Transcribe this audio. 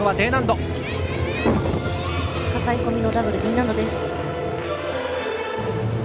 かかえ込みのダブルＥ難度です。